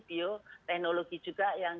bioteknologi juga yang